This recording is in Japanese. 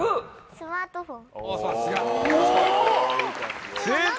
スマートフォン。